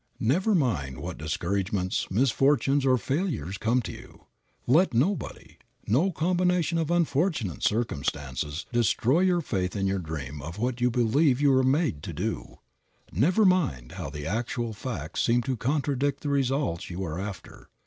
Never mind what discouragements, misfortunes or failures come to you, let nobody, no combination of unfortunate circumstances, destroy your faith in your dream of what you believe you were made to do. Never mind how the actual facts seem to contradict the results you are after.